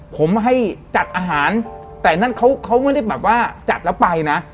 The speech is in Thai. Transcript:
ผมให้จัดอาหารแต่นั่นเขาไม่ได้แบบว่าจัดแล้วไปนะ